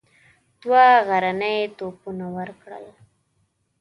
دوه غرني توپونه ورکړل.